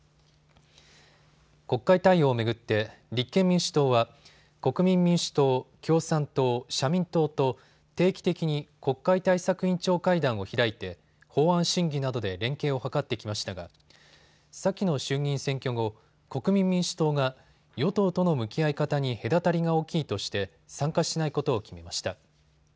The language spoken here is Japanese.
国会対応を巡って立憲民主党は国民民主党、共産党、社民党と定期的に国会対策委員長会談を開いて法案審議などで連携を図ってきましたが先の衆議院選挙後、国民民主党が与党との向き合い方に隔たりが大きいとして参加しないことを決めました。